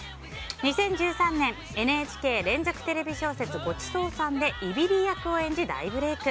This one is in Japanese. ２０１３年ＮＨＫ連続テレビ小説「ごちそうさん」でいびり役を演じ、大ブレーク。